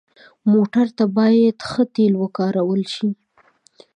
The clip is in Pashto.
موټر ته باید ښه تیلو وکارول شي.